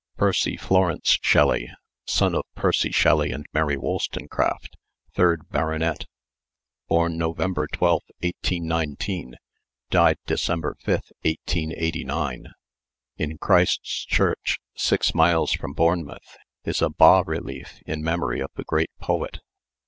Percy Florence Shelley, son of Percy Shelley and Mary Wolstonecraft, third baronet, born November 12th, 1819, died December 5th, 1889. "In Christ's Church, six miles from Bournemouth, is a bas relief in memory of the great poet.